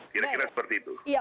kira kira seperti itu